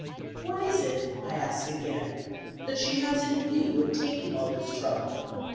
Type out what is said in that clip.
What is it, I ask again, that she has in view in taking all this trouble?